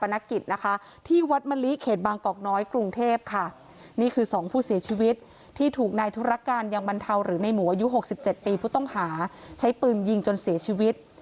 ในหมู่อายุ๖๗ปีผู้ต้องหาใช้ปืนยิงจนเสียชีวิต